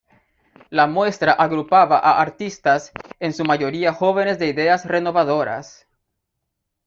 La muestra agrupaba a artistas, en su mayoría jóvenes de ideas renovadoras.